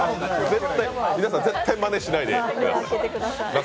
皆さん、絶対まねしないでください。